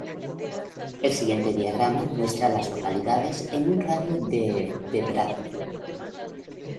El siguiente diagrama muestra a las localidades en un radio de de Bradbury.